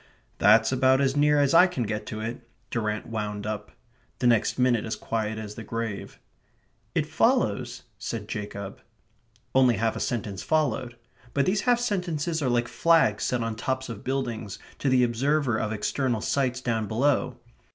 "That's about as near as I can get to it," Durrant wound up. The next minute is quiet as the grave. "It follows..." said Jacob. Only half a sentence followed; but these half sentences are like flags set on tops of buildings to the observer of external sights down below.